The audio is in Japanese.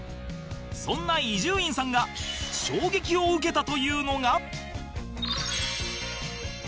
そんな伊集院さんが衝撃を受けたというのが